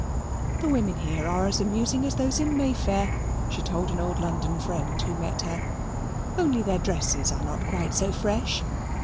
"The women here are as amusing as those in May Fair," she told an old London friend who met her, "only, their dresses are not quite so fresh.